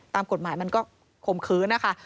ตามกฎหมายมันก็ข่มขืนนะคะ